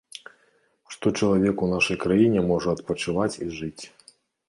Што чалавек у нашай краіне можа адпачываць і жыць.